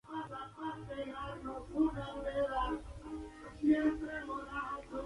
Su madre era nieta del rey Luis I de Baviera.